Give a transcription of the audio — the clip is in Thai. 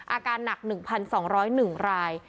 อาการหนัก๑๒๐๑ราย